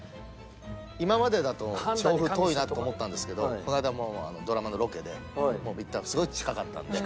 今までだと調布遠いなとか思ったんですけどこの間もうドラマのロケで行ったらすごい近かったんで。